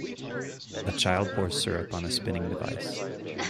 A child pours syrup on a spinning device